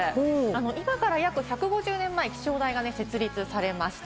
今から約１５０年前、気象台が設立されました。